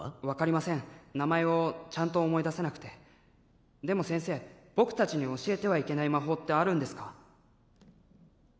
分かりません名前をちゃんと思い出せなくてでも先生僕達に教えてはいけない魔法ってあるんですか？